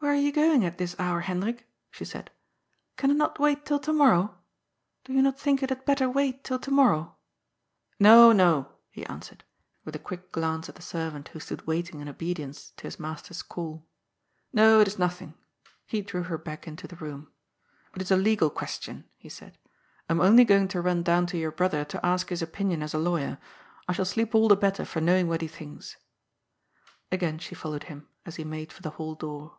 "Where are you going at this hour, Hendrik?" she said. " Can it not wait till to morrow ? Do you not think it had better wait till to morrow ?"" No, no," he answered, with a quick glance at the serv ant, who stood waiting in obedience to his master's call. 24 370 GOD'S POOL. ^ No, it is nothing.^' He drew her back into the room. '^ It is a legal qaestion," he said. ^ I am only going to run down to your brother to ask his opinion as a lawyer. I shall sleep all the better for knowing what he thinks." Again she followed him, as he made for the hall door.